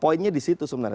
poinnya di situ sebenarnya